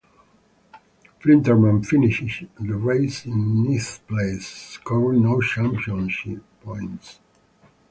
Flinterman finished the race in ninth place, scoring no championship points.